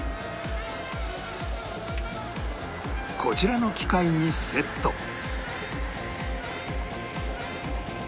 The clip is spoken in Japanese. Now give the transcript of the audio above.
こちらの機械にセット